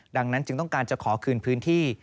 ดังนั้นจึงต้องการจะขอคืนพื้นที่